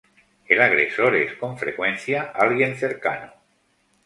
El agresor es, con frecuencia alguien cercano.